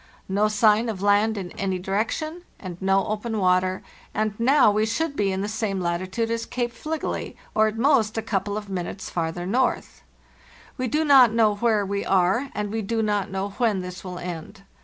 No sign of land in any direction and no open water, and now we should be in the same latitude as Cape Fligely, or at most a couple of minutes farther north. We do not know where we are, and we do not know when this will end.